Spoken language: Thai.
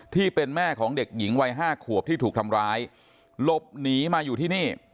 ที่เป็นแม่ของเด็กหญิงวัยห้าขวบที่ถูกทำร้ายหลบหนีมาอยู่ที่นี่